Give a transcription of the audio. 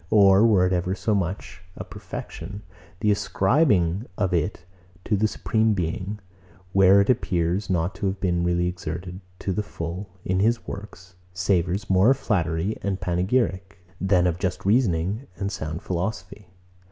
Or were it ever so much a perfection, the ascribing of it to the Supreme Being, where it appears not to have been really exerted, to the full, in his works, savours more of flattery and panegyric, than of just reasoning and sound philosophy.